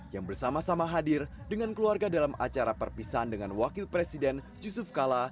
yang bersama sama hadir dengan keluarga dalam acara perpisahan dengan wakil presiden yusuf kala